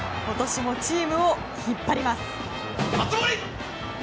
今年もチームを引っ張ります。